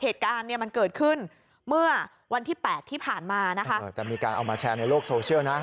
แต่มีการเอามาแชร์ในโลกโซเชียลนะ